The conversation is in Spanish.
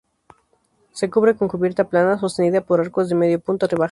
Se cubre con cubierta plana sostenida por arcos de medio punto rebajados.